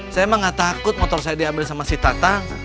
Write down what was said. saya mah nggak takut motor saya diambil sama si tatang